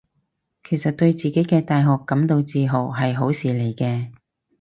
其實對自己嘅大學感到自豪係好事嚟嘅